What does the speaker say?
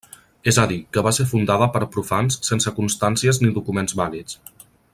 És a dir, que va ser fundada per profans sense constàncies ni documents vàlids.